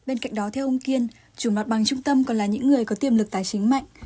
bên cạnh đó theo ông kiên chủ mặt bằng trung tâm còn là những người có tiềm lực tài chính mạnh